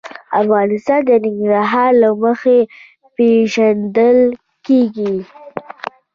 افغانستان د ننګرهار له مخې پېژندل کېږي.